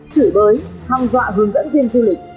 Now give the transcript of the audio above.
chử bới hong dọa hướng dẫn viên du lịch